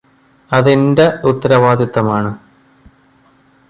അതെന്റ ഉത്തരവാദിത്തമാണ്.